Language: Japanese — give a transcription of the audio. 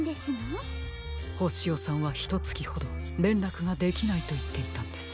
ホシヨさんはひとつきほどれんらくができないといっていたんです。